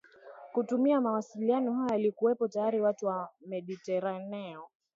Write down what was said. kutumia mawasiliano hayo yaliyokuwepo tayari Watu wa Mediteraneo